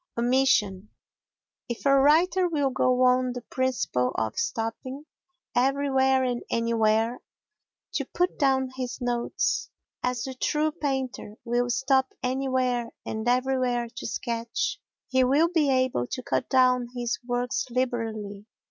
Omission If a writer will go on the principle of stopping everywhere and anywhere to put down his notes, as the true painter will stop anywhere and everywhere to sketch, he will be able to cut down his works liberally.